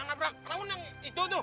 yang nabrak daunnya itu itu